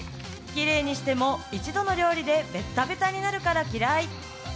きれいにしても一度の料理でべったべたになるから嫌い。